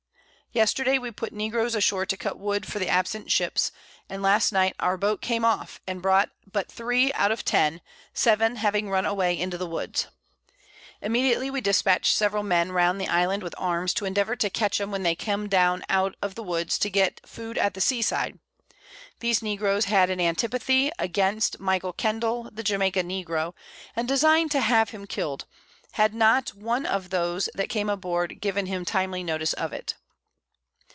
Yesterday we put Negroes ashore to cut Wood for the absent Ships, and last Night our Boat came off, and brought but 3 out of 10, 7 having run away into the Woods: Immediately we dispatch'd several Men round the Island with Arms, to endeavour to catch 'em when they come down out of the Woods to get Food at the Sea side. These Negroes had an Antipathy against Michael Kendall the Jamaica Negro, and design'd to have kill'd him, had not one of those that came aboard given him timely Notice of it.